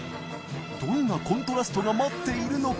磴匹鵑コントラストが待っているのか